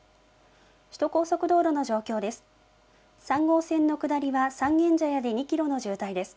首都高速道路の状況です。